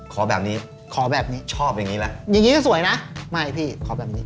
ขอแบบนี้ขอแบบนี้ชอบอย่างนี้ละอย่างนี้ก็สวยนะไม่พี่ขอแบบนี้